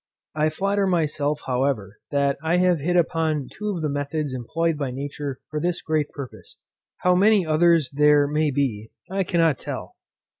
I flatter myself, however, that I have hit upon two of the methods employed by nature for this great purpose. How many others there may be, I cannot tell.